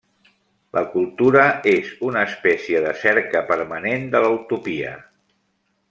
La cultura és una espècie de cerca permanent de la utopia.